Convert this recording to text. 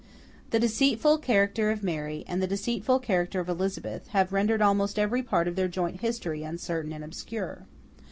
The deceitful character of Mary, and the deceitful character of Elizabeth, have rendered almost every part of their joint history uncertain and obscure.